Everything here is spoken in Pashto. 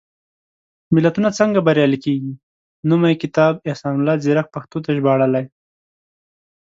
ملتونه څنګه بریالي کېږي؟ نومي کتاب، احسان الله ځيرک پښتو ته ژباړلی.